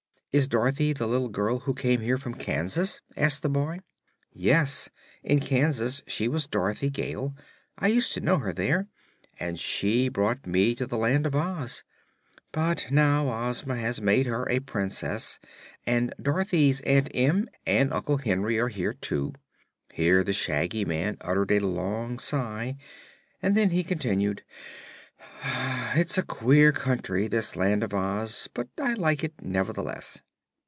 "Is Dorothy the little girl who came here from Kansas?" asked the boy. "Yes. In Kansas she was Dorothy Gale. I used to know her there, and she brought me to the Land of Oz. But now Ozma has made her a Princess, and Dorothy's Aunt Em and Uncle Henry are here, too." Here the Shaggy Man uttered a long sigh, and then he continued: "It's a queer country, this Land of Oz; but I like it, nevertheless."